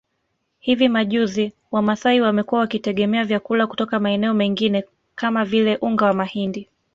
Hivi majuzi Wamasai wamekuwa wakitegemea vyakula kutoka maeneo mengine kama vile unga wa mahindi